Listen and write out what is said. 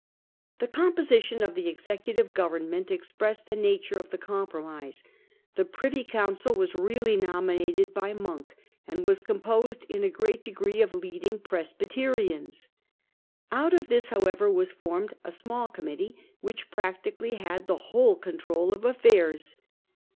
The composition of the executive government ex pressed the nature of the compromise. The Privy Council i66o. The Ministry . 87 was really nominated by Monk, and was composed in a great degree of leading Presbyterians. Out of this how The ever was formed a small committee, which ministry. practically had the whole control of affairs.